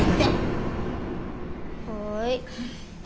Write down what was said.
はい。